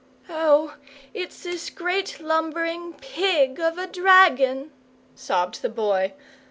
"Oh, it's this great lumbering PIG of a dragon!" sobbed the Boy.